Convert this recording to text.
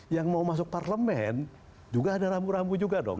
yang mau masuk parlemen juga ada rambu rambu juga dong